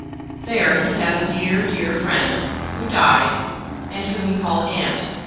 There he had a dear, dear friend, who died, and whom he called Aunt.